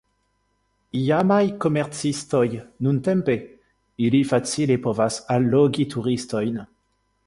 Iamaj komercistoj, nuntempe, ili facile povas allogi turistojn.